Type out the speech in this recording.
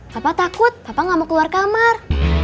papa takut papa gak mau keluar kamar